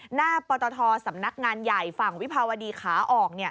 หน้าปตทสำนักงานใหญ่ฝั่งวิภาวดีขาออก